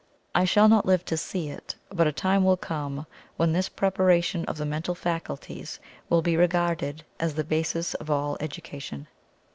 I shall not live to see it, but a time will come when this preparation of the mental faculties will be regarded as the basis of all education.